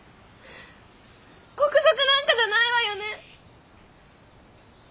国賊なんかじゃないわよね！？